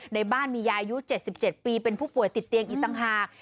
ในบ้านมียายอายุ๗๗ปีเป็นผู้ป่วยติดเตียงอีกต่างหาก